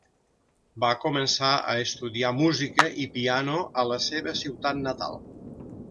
Va començar a estudiar música i piano a la seva ciutat natal.